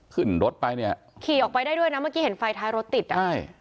ขึ้นรถไปเนี่ยขี่ออกไปได้ด้วยนะเมื่อกี้เห็นไฟท้ายรถติดอ่ะใช่